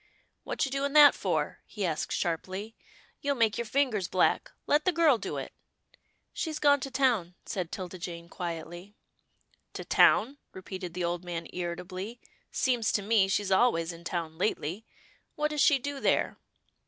" What you doing that for? " he asked, sharply, " you'll make your fingers black. Let the girl do it." " She's gone to town," said 'Tilda Jane, quietly. " To town," repeated the old man, irritably, " seems to me, she's always in town lately. What does she do there?